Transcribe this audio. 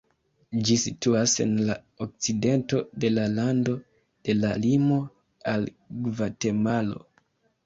Ĝi situas en la okcidento de la lando, je la limo al Gvatemalo.